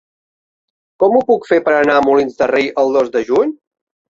Com ho puc fer per anar a Molins de Rei el dos de juny?